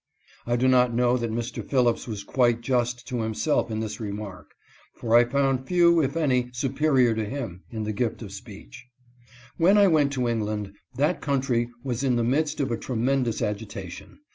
I do not know that Mr. Phillips was quite just to himself in this remark, for I found few, if any, superior to him in the gift of speech. When I went to England that country was* in the midst of a tremendous agitation.